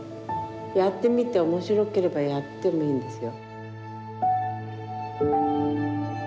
やってみて面白ければやってもいいんですよ。